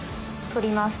取ります。